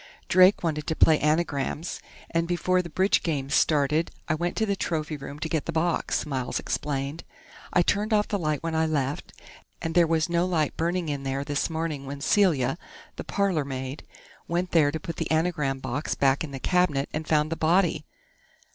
Drake wanted to play anagrams, and before the bridge game started, I went to the trophy room to get the box," Miles explained. "I turned off the light when I left, and there was no light burning in there this morning when Celia, the parlor maid, went there to put the anagram box back in the cabinet, and found the body....